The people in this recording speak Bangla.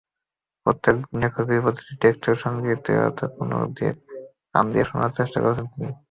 প্রত্যেক লেখকের প্রতিটি টেক্সেটের সংগীতময়তা কান দিয়ে শোনার চেষ্টা করেছেন তিনি।